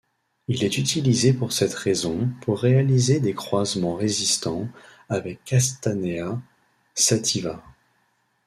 Il est utilisé pour cette raison pour réaliser des croisements résistants avec Castanea sativa.